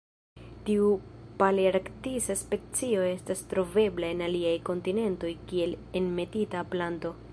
Tiu palearktisa specio estas trovebla en aliaj kontinentoj kiel enmetita planto.